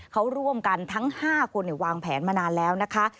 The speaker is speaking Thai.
เขาร่วมกันทั้ง๕คนวางแผนมานานแล้วนะคะ